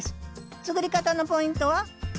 作り方のポイントは？